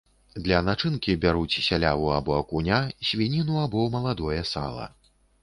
Для начынкі бяруць сяляву або акуня, свініну або маладое сала.